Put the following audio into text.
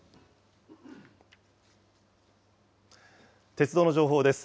鉄道の情報です。